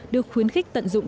được khuyến khích tận dụng